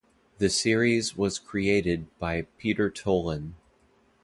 The series was created by Peter Tolan.